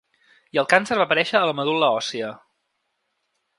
I el càncer va aparèixer a la medul·la òssia.